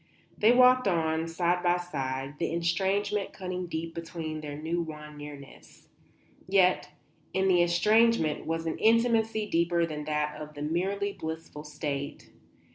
They walked on, side by side, the estrangement cutting deep between their new won nearness. Yet in the estrangement was an intimacy deeper than that of the merely blissful state.